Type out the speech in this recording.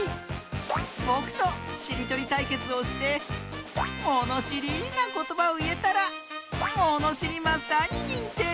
ぼくとしりとりたいけつをしてものしりなことばをいえたらものしりマスターににんてい！